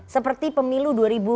seperti pemilu dua ribu sembilan belas